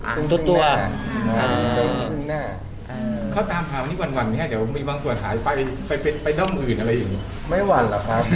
ตรงทั่วตรงทั่วตรงหน้าเขาตามพาวันนี้หวั่นหวั่นไหมฮะเดี๋ยวมีบางส่วนขายไปไปไปไปด้อมอื่นอะไรอย่างนี้ไม่หวั่นหรอกครับ